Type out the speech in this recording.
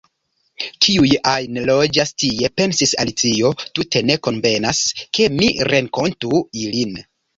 "Kiuj ajn loĝas tie," pensis Alicio, "tute ne konvenas, ke mi renkontu ilin.